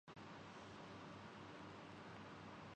رنجش رکھتا ہوں